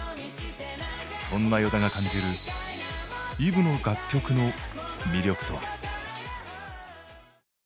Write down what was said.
そんな依田が感じるＥｖｅの楽曲の魅力とは？